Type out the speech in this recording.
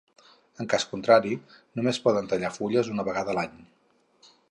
En cas contrari, només podem tallar fulles una vegada a l'any.